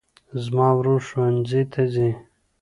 زما ورور ښوونځي ته ځي